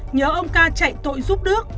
nhớ ông ca chạy tội giúp đức